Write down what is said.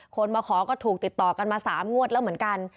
มาขอก็ถูกติดต่อกันมา๓งวดแล้วเหมือนกัน